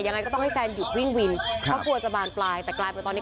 แน่